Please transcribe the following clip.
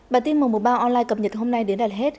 bản tin mùa mùa bao online cập nhật hôm nay đến đạt hết